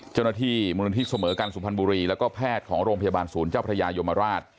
เจ้าหน้าที่มูลนิธิเสมอกันสุพรรณบุรีแล้วก็แพทย์ของโรงพยาบาลศูนย์เจ้าพระยายมราช